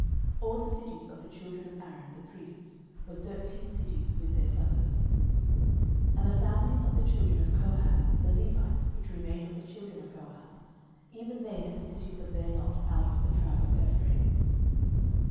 06:021:019 All the cities of the children of Aaron, the priests, were thirteen cities with their suburbs. 06:021:020 And the families of the children of Kohath, the Levites which remained of the children of Kohath, even they had the cities of their lot out of the tribe of Ephraim.